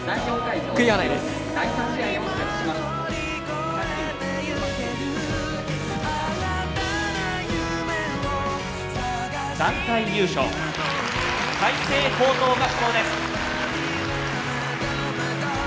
あんまり団体優勝開成高等学校です。